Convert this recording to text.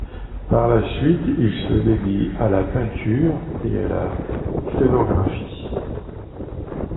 Par la suite, il se dédie à la peinture et la scénographie.